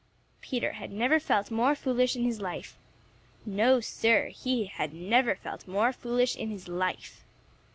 Peter had never felt more foolish in his life. No, Sir, he never had felt more foolish in his life.